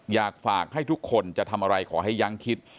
อยากฝากให้ทุกคนจะทำอะไรขอให้ยั้งคิด